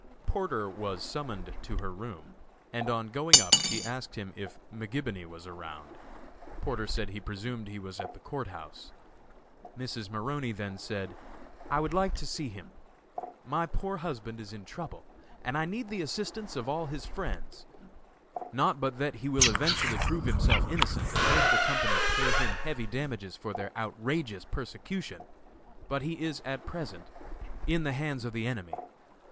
Porter was summoned to her room, and on going up she asked him if McGibony was around. Porter said he presumed he was at the Court House. Mrs. Maroney then said: "I would like to see him! My poor husband is in trouble and I need the assistance of all his friends, not but that he will eventually prove himself innocent and make the company pay him heavy damages for their outrageous persecution! but he is, at present, in the hands of the enemy.